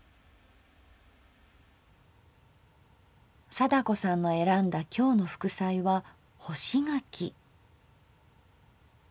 貞子さんの選んだ今日の副菜は干し柿。